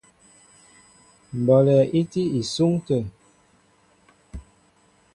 Mbɔlɛ í tí isúŋ atə̂.